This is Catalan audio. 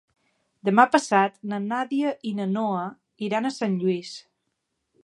Demà passat na Nàdia i na Noa iran a Sant Lluís.